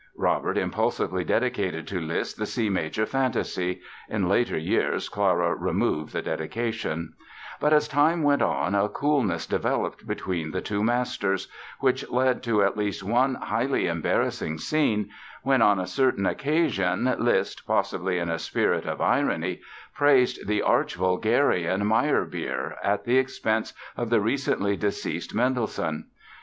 Robert impulsively dedicated to Liszt the C major Fantasy (in later years Clara removed the dedication) but as time went on a coolness developed between the two masters, which led to at least one highly embarrassing scene when, on a certain occasion, Liszt, possibly in a spirit of irony, praised the arch vulgarian, Meyerbeer, at the expense of the recently deceased Mendelssohn.